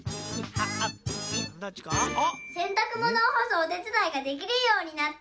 洗たく物を干すお手伝いができるようになった。